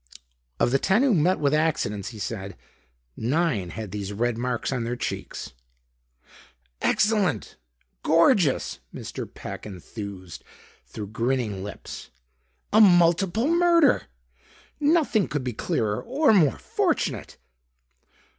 "Of the ten who met with accidents," he said, "nine had these red marks on their cheeks." "Excellent! Gorgeous!" Mr. Peck enthused through grinning lips. "A multiple murder! Nothing could be clearer or more fortunate!"